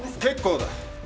結構だ！